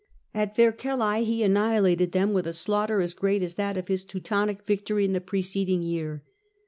At Vercellae he annihilated them, with a slaughter as great as that of his Teutonic victory in the preceding year.